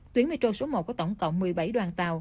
tuyến metro số một có tổng cộng một mươi bảy đoàn tàu